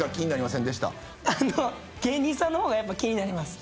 芸人さんの方が気になります。